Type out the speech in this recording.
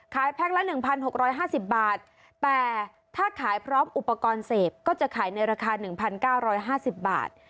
แพ็คละ๑๖๕๐บาทแต่ถ้าขายพร้อมอุปกรณ์เสพก็จะขายในราคา๑๙๕๐บาท